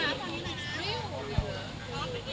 พระศักดิ์ไทย